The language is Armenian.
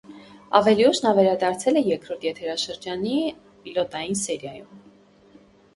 Ավելի ուշ նա վերադարձել է երկրորդ եթերաշրջանի պիլոտային սերիայում։